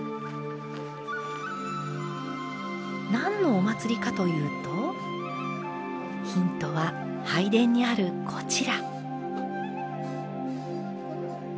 何のお祭りかというとヒントは拝殿にあるこちら。